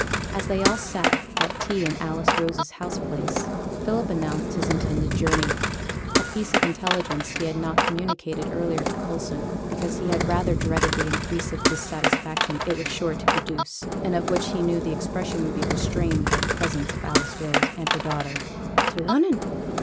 As they all sat at tea in Alice Rose's house place, Philip announced his intended journey; a piece of intelligence he had not communicated earlier to Coulson because he had rather dreaded the increase of dissatisfaction it was sure to produce, and of which he knew the expression would be restrained by the presence of Alice Rose and her daughter. 'To Lunnon!'